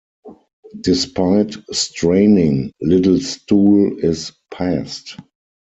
Despite straining, little stool is passed.